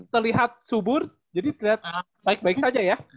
terlihat subur jadi terlihat baik baik saja ya